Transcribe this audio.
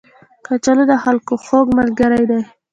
کچالو د خلکو خوږ ملګری دی